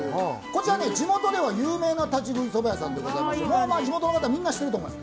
地元では有名な立ち食いそば屋さんでしてもう地元の方みんな知っていると思います。